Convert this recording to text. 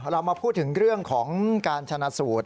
เรามาพูดถึงเรื่องของการชนะสูตร